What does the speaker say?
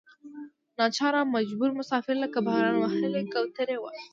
ناچاره مجبور مسافر لکه باران وهلې کوترې وو.